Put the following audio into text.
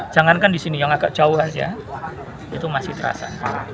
jangankan di sini yang agak jauh saja itu masih terasa